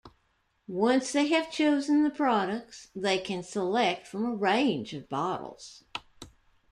Once they have chosen the products, they can select from a range of bottles.